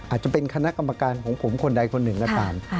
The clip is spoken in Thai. อาจจะเป็นคณะกรรมการของผมคนใดคนหนึ่งก็ตาม